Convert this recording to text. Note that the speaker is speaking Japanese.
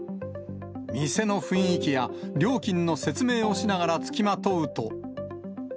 店の雰囲気や料金の説明をしながら付きまとうと。